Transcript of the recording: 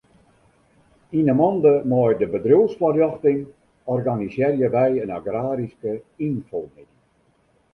Yn 'e mande mei de bedriuwsfoarljochting organisearje wy in agraryske ynfomiddei.